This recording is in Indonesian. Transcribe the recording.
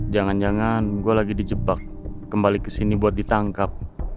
jangan jangan gue lagi dijebak kembali ke sini buat ditangkap